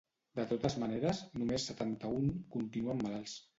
De totes maneres, només setanta-un continuen malalts.